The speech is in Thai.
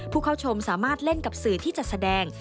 ผู้เข้าชมสามารถเล่นกับสื่อที่จัดแสดง